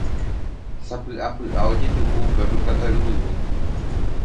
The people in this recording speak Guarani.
Sapy'apy'a ojejuhu upépe Pláta Yvyguy.